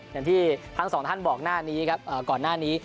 อย่างที่ทั้งสองท่านบอกหน้านี้ครับก่อนหน้านี้